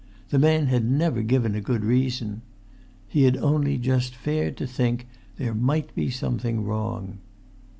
The man had never given a good reason. He had only just fared to think there might be something wrong.